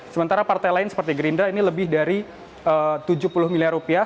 sementara partai lain seperti gerindra ini lebih dari tujuh puluh miliar rupiah